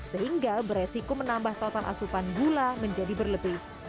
sehingga beresiko menambah total asupan gula menjadi berlebih